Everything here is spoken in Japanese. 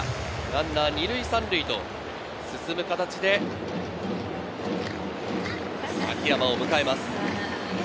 ランナー２塁３塁と進む形で秋山を迎えます。